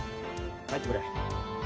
帰ってくれ。